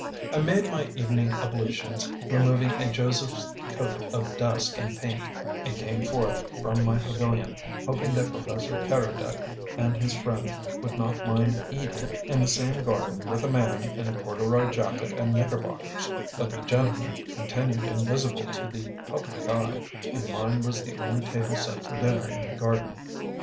I made my evening ablutions removing a Joseph's coat of dust and paint; and came forth from my pavilion, hoping that Professor Keredec and his friend would not mind eating in the same garden with a man in a corduroy jacket and knickerbockers; but the gentlemen continued invisible to the public eye, and mine was the only table set for dinner in the garden.